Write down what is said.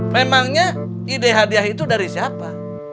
memangnya ide hadiah itu dari siapa